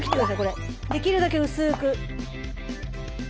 できるだけ薄く。